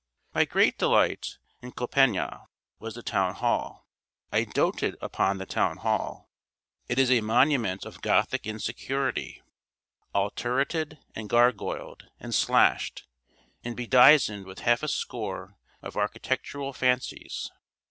My great delight in Compiègne was the town hall. I doted upon the town hall. It is a monument of Gothic insecurity, all turreted, and gargoyled, and slashed, and bedizened with half a score of architectural fancies.